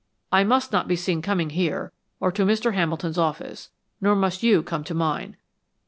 I must not be seen coming here or to Mr. Hamilton's office, nor must you come to mine.